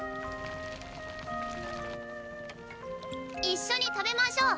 一緒に食べましょう。